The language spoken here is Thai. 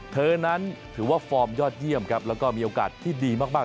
เธอนั้นถือว่าฟอร์มยอดเยี่ยมครับแล้วก็มีโอกาสที่ดีมาก